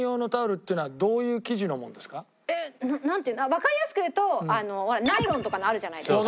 えっなんていうわかりやすく言うとナイロンとかのあるじゃないですか。